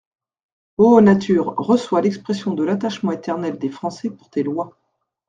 O Nature, reçois l'expression de l'attachement éternel des Français pour tes lois.